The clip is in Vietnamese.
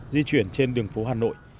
di chuyển trên đường phố hà nội